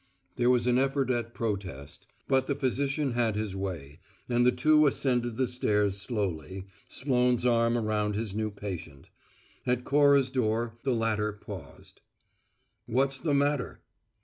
There was an effort at protest, but the physician had his way, and the two ascended the stairs slowly, Sloane's arm round his new patient. At Cora's door, the latter paused. "What's the matter?"